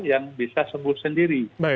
yang bisa sembuh sendiri